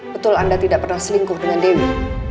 betul anda tidak pernah selingkuh dengan dewi